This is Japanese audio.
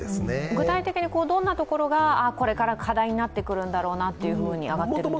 具体的にどんなところがこれから課題になってくるんだろうなとあがっているんでしょうか？